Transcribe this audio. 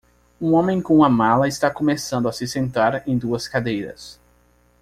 Um homem com uma mala está começando a se sentar em duas cadeiras.